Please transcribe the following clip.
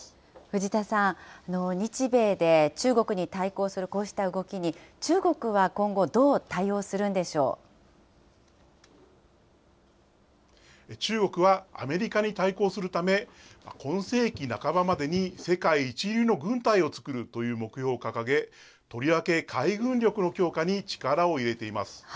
藤田さん、日米で中国に対抗するこうした動きに、中国は今後、中国はアメリカに対抗するため、今世紀半ばまでに世界一流の軍隊をつくるという目標を掲げ、とりわけ海軍力の強化に力を入れています。